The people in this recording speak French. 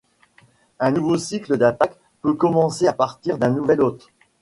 Un nouveau cycle d'attaque peut commencer à partir d'un nouvel hôte.